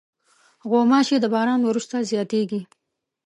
غوماشې د باران وروسته زیاتې کېږي.